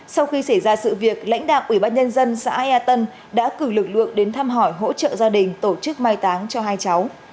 sau khi xảy ra sự việc lãnh đạo ủy ban nhân dân xã ea tân đã cử lực lượng đến thăm hỏi hỗ trợ gia đình tổ chức mai táng cho hai cháu